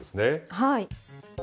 はい。